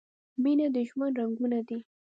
مینه د ژوند رنګونه دي.